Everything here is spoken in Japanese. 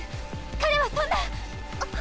彼はそんなあっ！